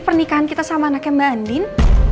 pernikahan kita sama anaknya mbak andin